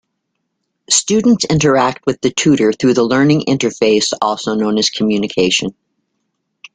Students interact with the tutor through the learning interface, also known as communication.